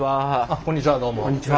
こんにちは。